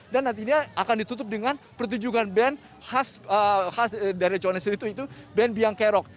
dan nantinya akan ditutup dengan pertunjukan band khas dari conestri itu band biangkerok